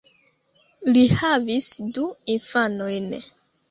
Li havis du infanojn.